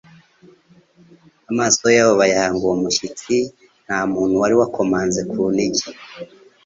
Amaso yabo bayahanga uwo mushyitsi. Nta munht wari wakomanze ku nigi,